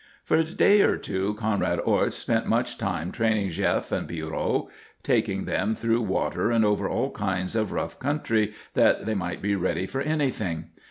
For a day or two Conrad Orts spent much time training Jef and Pierrot, taking them through water and over all kinds of rough country that they might be ready for anything.